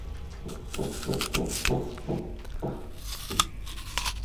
Il représente un cheval arabe vu de profil, tourné vers la gauche.